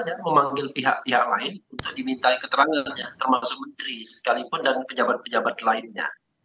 dia memanggil pihak pihak lain untuk diminta keterangannya termasuk menteri sekalipun dan pejabat pejabat lainnya